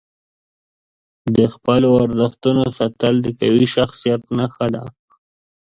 د خپلو ارزښتونو ساتل د قوي شخصیت نښه ده.